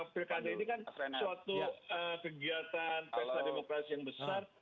pilkada ini kan suatu kegiatan pesta demokrasi yang besar